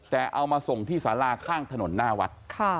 แต่เอามาส่งที่สาราข้างถนนหน้าวัด